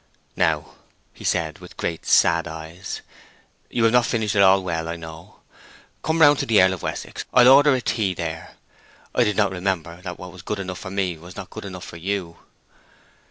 "Now," he said, with great sad eyes, "you have not finished at all well, I know. Come round to the Earl of Wessex. I'll order a tea there. I did not remember that what was good enough for me was not good enough for you."